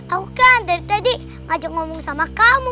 aku kan dari tadi ajak ngomong sama kamu